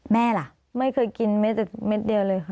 แม่ล่ะไม่เคยกินเม็ดเดียวเลยค่ะ